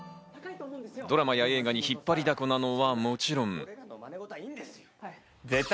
ドラマや映画に引っ張りだこなのはもちろん。